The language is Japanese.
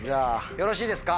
よろしいですか？